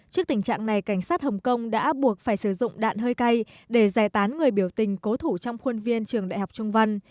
trước tình trạng này cảnh sát hồng kông đã buộc phải sử dụng đạn hơi cay để giải tán người biểu tình cố thủ trong khuôn viên trường đại học trung văn